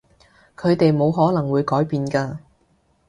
佢哋冇可能會改變㗎